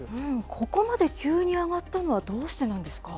ここまで急に上がったのはどうしてなんですか。